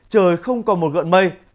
trời không còn một gợn mây